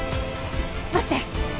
待って！